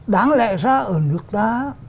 đáng lẽ ra ở nước đó